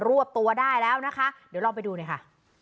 รวบตัวได้แล้วนะคะเดี๋ยวลองไปดูหน่อยค่ะ